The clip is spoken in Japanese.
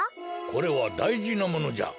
これはだいじなものじゃ。